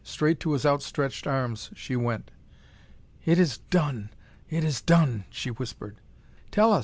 Straight to his outstretched arms she went. "It is done! It is done!" she whispered. "Tell us!"